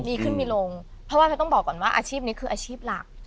ดีขึ้นมีลงเพราะว่าเธอต้องบอกก่อนว่าอาชีพนี้คืออาชีพหลัก